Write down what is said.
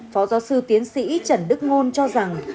phó giáo sư tiến sĩ trần đức ngôn cho rằng